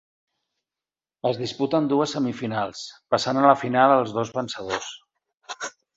Es disputen dues semifinals, passant a la final els dos vencedors.